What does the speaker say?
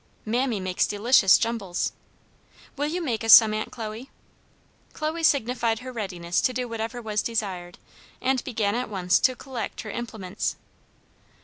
"Mammy makes delicious jumbles." "Will you make us some, Aunt Chloe?" Chloe signified her readiness to do whatever was desired, and began at once to collect her implements.